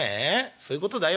そういうことだよ」。